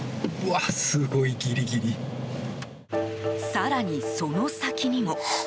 更にその先にも。